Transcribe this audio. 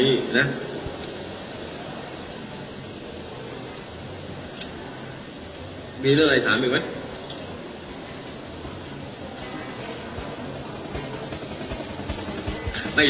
ก็ยังไม่ใช่ยังไม่ได้อำนาจ